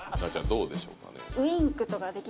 どうでしょうかね？